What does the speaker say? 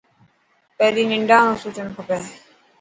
پهرين ننڍان رو سوچڻ کپي.